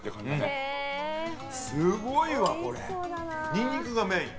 ニンニクがメイン。